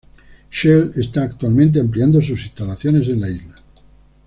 Shell está actualmente ampliando sus instalaciones en la isla.